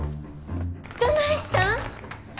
どないしたん？